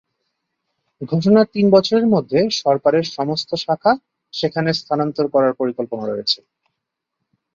ঘোষণার তিন বছরের মধ্যে সরকারের সমস্ত শাখা সেখানে স্থানান্তর করার পরিকল্পনা রয়েছে।